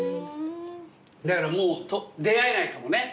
だからもう出合えないかもね。